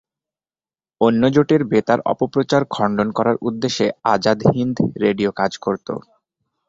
অন্য জোটের বেতার অপপ্রচার খণ্ডন করার উদ্দেশ্যে আজাদ হিন্দ রেডিও কাজ করত।